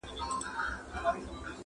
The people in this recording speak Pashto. له مرغکیو به وي هیري مورنۍ سندري!